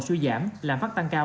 suy giảm làm phát tăng cao